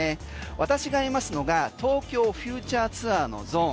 私がいますのが東京フューチャーツアーのゾーン。